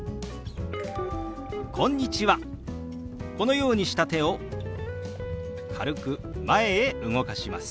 このようにした手を軽く前へ動かします。